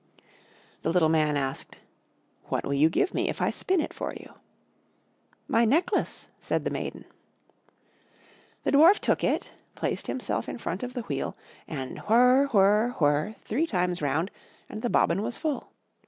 The little Man asked, "What will you give me if I spin it for you?" "My necklace," said the maiden. The Dwarf took it, placed himself in front of the wheel, and whirr, whirr, whirr, three times round, and the bobbin was full.